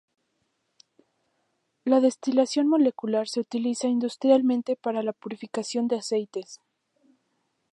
La destilación molecular se utiliza industrialmente para la purificación de aceites.